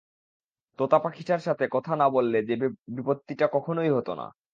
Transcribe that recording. তোতাপাখিটার সাথে কথা না বললে যে বিপত্তিটা কখনোই হতো না।